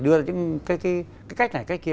đưa ra những cái cách này cách kia